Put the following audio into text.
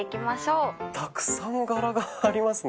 たくさん柄がありますね。